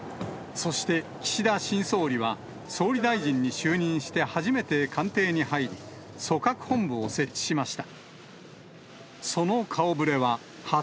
そして岸田新総理は、総理大臣に就任して初めて官邸に入り、組閣本部を設置しました。